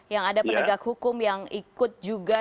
yang ada penegak hukum yang ikut juga